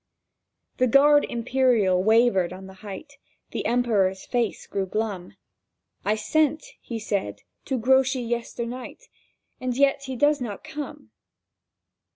The Guard Imperial wavered on the height; The Emperor's face grew glum; "I sent," he said, "to Grouchy yesternight, And yet he does not come!"